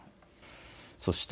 そして